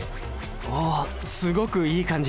あすごくいい感じ。